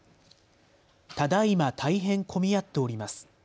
ただ今、大変込み合っております。